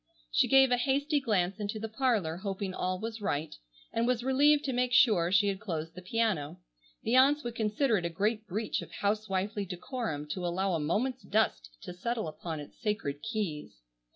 She gave a hasty glance into the parlor hoping all was right, and was relieved to make sure she had closed the piano. The aunts would consider it a great breach of housewifely decorum to allow a moment's dust to settle upon its sacred keys.